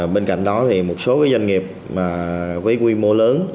bên cạnh đó thì một số doanh nghiệp với quy mô lớn